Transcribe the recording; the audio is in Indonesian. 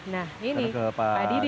nah ini pak didi